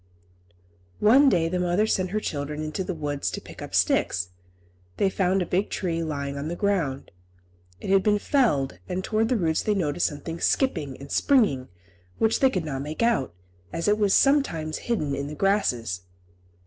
One day the mother sent her children into the wood to pick up sticks. They found a big tree lying on the ground. It had been felled, and towards the roots they noticed something skipping and springing, which they could not make out, as it was sometimes hidden in the grasses.